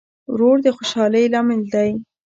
ورور د خوشحالۍ لامل دی.